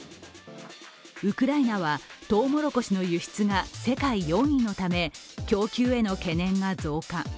ウクライナは、とうもろこしの輸出が世界４位のため供給への懸念が増加。